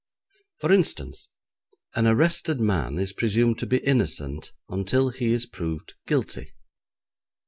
For instance, an arrested man is presumed to be innocent until he is proved guilty.